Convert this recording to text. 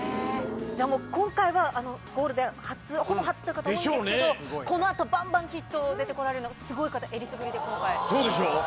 じゃあもう、今回はゴールデンほぼ初という方、多いんですけど、このあとばんばんきっと出てこられる方、すごい方、えりすぐりで、そうでしょう？